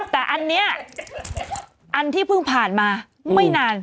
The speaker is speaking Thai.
แต่อันนี้อันที่เพิ่งผ่านมาไม่นาน